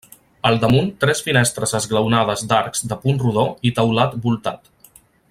Al damunt: tres finestres esglaonades d'arcs de punt rodó i teulat voltat.